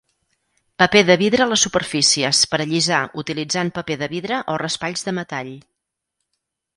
Paper de vidre les superfícies per allisar utilitzant paper de vidre o raspalls de metall.